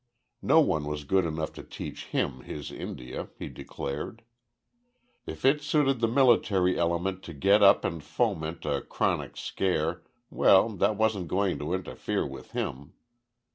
No one was good enough to teach him his India, he declared. If it suited the military element to get up and foment a chronic scare, well that wasn't going to interfere with him.